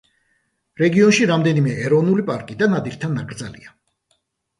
რეგიონში რამდენიმე ეროვნული პარკი და ნადირთა ნაკრძალია.